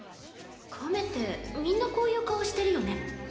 亀ってみんなこういう顔してるよね。